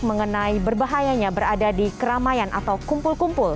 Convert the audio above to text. mengenai berbahayanya berada di keramaian atau kumpul kumpul